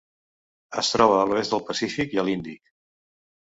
Es troba a l'oest del Pacífic i a l'Índic.